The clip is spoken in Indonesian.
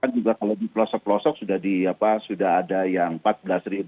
kan juga kalau di pelosok pelosok sudah ada yang rp empat belas